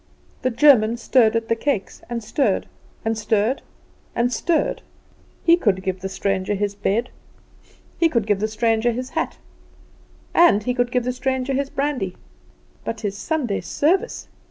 The German stirred at the cakes, and stirred, and stirred, and stirred. He could give the stranger his bed, and he could give the stranger his hat, and he could give the stranger his brandy; but his Sunday service!